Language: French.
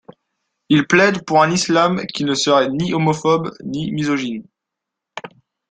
Il plaide pour un Islam qui ne serait ni homophobe ni misogyne.